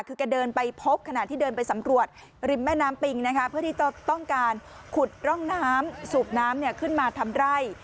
คือแกเดินไปพบขณะที่เดินไปสำรวจริมแม่น้ำปิงนะคะเพื่อที่จะต้องการขุดร่องน้ำสูบน้ำขึ้นมาทำไร่